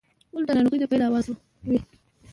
غول د ناروغۍ د پیل اواز وي.